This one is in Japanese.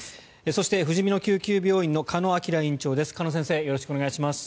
そしてふじみの救急病院の鹿野晃院長です。